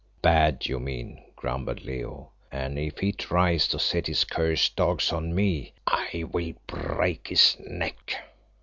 "Bad, you mean," grumbled Leo; "and if he tries to set his cursed dogs on me, I will break his neck."